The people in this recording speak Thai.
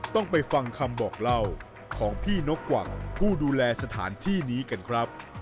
ต้องไปฟังคำบอกเล่าของพี่นกกวักผู้ดูแลสถานที่นี้กันครับ